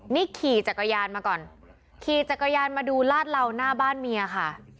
นี่ขี่จักรยานมาก่อนขี่จักรยานมาดูลาดเหล่าหน้าบ้านเมียค่ะ